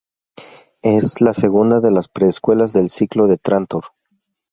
Es la segunda de las precuelas del Ciclo de Trántor.